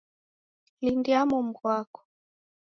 Lindia momu ghwako